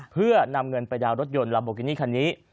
เพื่อนำเงินไปดาวนรถยนต์ลาโบกินี่คันนี้